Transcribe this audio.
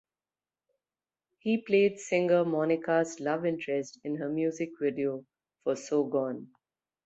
He played singer Monica's love interest in her music video for "So Gone".